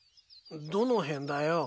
どの辺だよ。